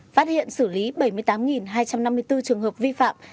phát hiện xử lý bảy mươi tám hai trăm năm mươi bốn trường hợp vi phạm